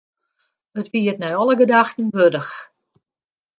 It wie it nei alle gedachten wurdich.